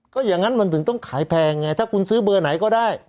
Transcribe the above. ก็อย่างนั้นมันถึงต้องขายแพงไงถ้าคุณซื้อเบอร์ไหนก็ได้